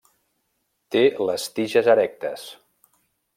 Té les tiges erectes.